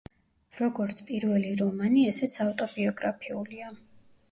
როგორც პირველი რომანი, ესეც ავტობიოგრაფიულია.